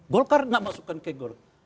golkar nggak masukkan ke golkar